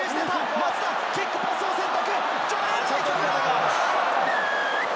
松田キックパスを選択。